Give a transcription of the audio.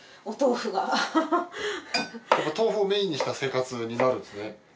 お豆腐をメインにした生活になるんですね。